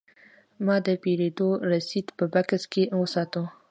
ما د پیرود رسید په بکس کې وساته.